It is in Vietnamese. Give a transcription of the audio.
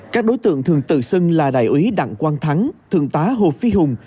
các đối tượng thường tự xưng là đại úy đặng quang thắng thượng tá hồ phi hùng